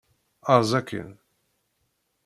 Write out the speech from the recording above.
Erẓ akkin!